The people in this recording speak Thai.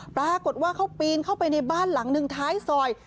ปรากฏว่าเขาปีนเข้าไปในบ้านหลังหนึ่งท้ายซอย